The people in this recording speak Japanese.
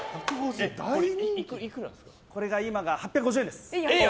これが今が８５０円です。